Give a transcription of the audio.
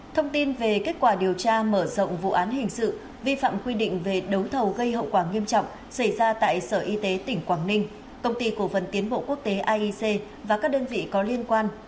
thông tin về kết quả điều tra mở rộng vụ án hình sự vi phạm quy định về đấu thầu gây hậu quả nghiêm trọng xảy ra tại sở y tế tỉnh quảng ninh công ty cổ phần tiến bộ quốc tế aic và các đơn vị có liên quan